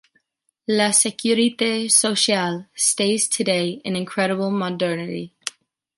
La Sécurité Sociale stays today an incredible modernity.